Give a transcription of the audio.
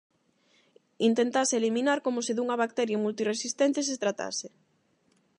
Intentase eliminar como se dunha bacteria multirresistente se tratase.